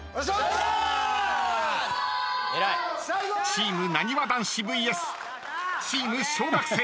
［チームなにわ男子ＶＳチーム小学生］